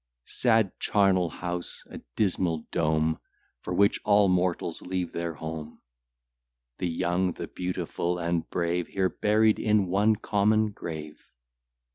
Sad charnel house! a dismal dome, For which all mortals leave their home! The young, the beautiful, and brave, Here buried in one common grave!